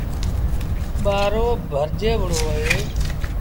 ٻآرو ڀرجي وُهڙو اهي